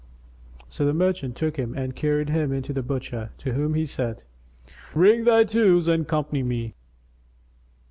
So the merchant took him and carried him to the butcher, to whom he said, "Bring thy tools and company me."